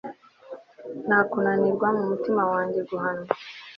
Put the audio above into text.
Nta kunanirwa mu mutima wanjye guhanwa